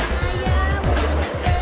aku mau makan saksi